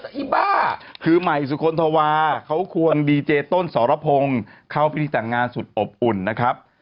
อีบ้าคือใหม่สุคลธวาเขาควรดีเจต้นสรพงศ์เข้าพิธีแต่งงานสุดอบอุ่นนะครับ